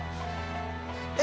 え？